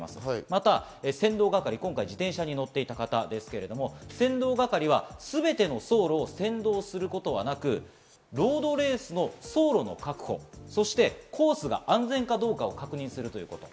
また先導係、今回、自転車に乗っていた方ですが、全ての走路を先導することはなく、ロードレースの走路の確保、そしてコースが安全かどうかを確認するということ。